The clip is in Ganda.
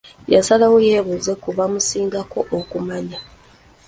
Yasalawo yeebuuze ku bamusingako okumanya.